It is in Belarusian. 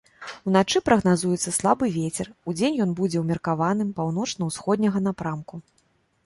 Уначы прагназуецца слабы вецер, удзень ён будзе ўмеркаваным, паўночна-ўсходняга напрамку.